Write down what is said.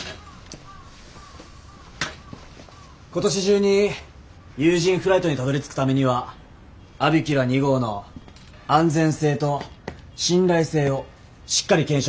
今年中に有人フライトにたどりつくためにはアビキュラ２号の安全性と信頼性をしっかり検証する必要がある。